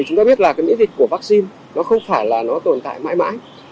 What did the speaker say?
chúng ta biết là miễn dịch của vắc xin không phải tồn tại mãi mãi